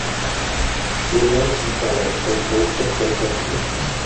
Turné čítalo přes dvou set koncertů.